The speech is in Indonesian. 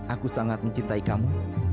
aku sangat mencintai kamu